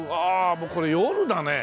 もうこれ夜だね。